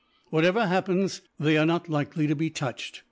Whatever happens, they are not likely to be touched.